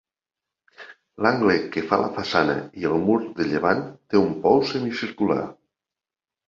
L'angle que fa la façana i el mur de llevant té un pou semicircular.